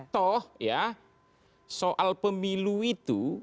toh ya soal pemilu itu